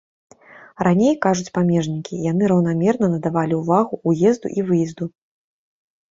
Раней, кажуць памежнікі, яны раўнамерна надавалі ўвагу ўезду і выезду.